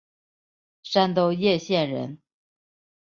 山东掖县人。